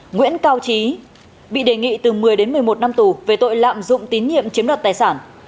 nguyễn cao trí bị đề nghị từ một mươi đến một mươi một năm tù về tội lạm dụng tín nhiệm chiếm đoạt tài sản